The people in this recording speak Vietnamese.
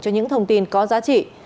cho những thông tin có giá trị